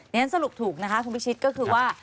ฉะนั้นสรุปถูกนะคะคุณพิชิตก็คือว่า